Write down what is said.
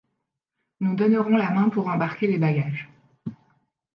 Nous donnerons la main pour embarquer les bagages…